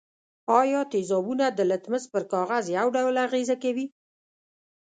آیا تیزابونه د لتمس پر کاغذ یو ډول اغیزه کوي؟